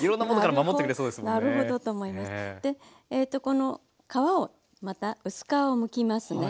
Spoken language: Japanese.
この皮をまた薄皮をむきますね。